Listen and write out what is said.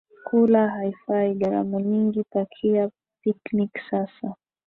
Kula haifai gharama nyingi Pakia picnic sasa